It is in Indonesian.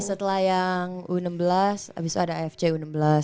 setelah yang u enam belas abis itu ada afc u enam belas